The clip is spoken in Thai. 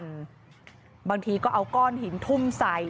บางทีก็เอาก้อนหินทุ่มใส่